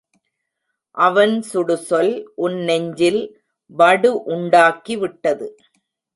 அவன் சுடுசொல் உன் நெஞ்சில் வடு உண்டாக்கிவிட்டது.